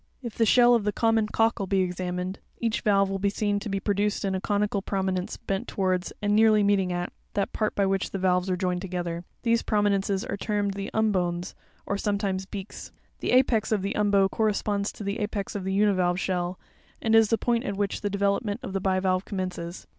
If the shell of the common cockle be examined, each valve will be seen to be produced into a conical prominence bent towards, and nearly meeting at, that part by which the valves are joined together. These prominences are termed the umbones, or sometimes beaks. 'The apex of the umbo corresponds to the apex of the univalve shell, and is the point at which the development of the bivalve commences.